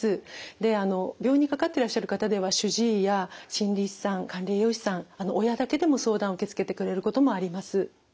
で病院にかかってらっしゃる方では主治医や心理士さん管理栄養士さん親だけでも相談受け付けてくれることもあります。